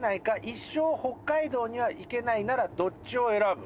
「一生北海道には行けないならどっちを選ぶ？」